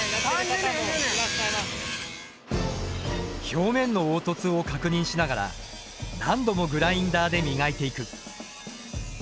表面の凹凸を確認しながら何度もグラインダーで磨いていく。